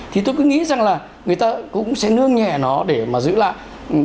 thì tôi cứ nghĩ rằng là người ta cũng sẽ nương nhẹ nó để mà giữ lại